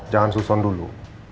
jangan susun dulu